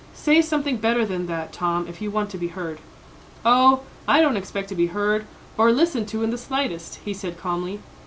"Say something better than that, Tom, if you want to be heard." "Oh, I don't expect to be heard, or listened to in the slightest," he said calmly.